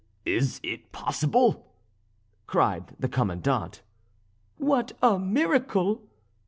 is it possible?" cried the Commandant. "What a miracle!"